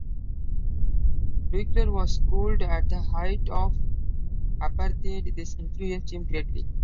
Duiker was schooled at the height of Apartheid; this influenced him greatly.